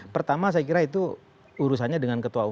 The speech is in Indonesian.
pertama saya kira itu urusannya dengan ketua umum